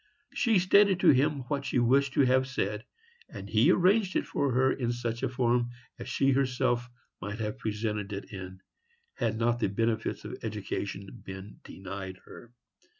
She stated to him what she wished to have said, and he arranged it for her in such a form as she herself might have presented it in, had not the benefits of education been denied her.